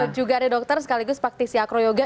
juga ada dokter sekaligus praktisi acroyoga